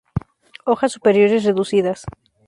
Hojas superiores reducidas.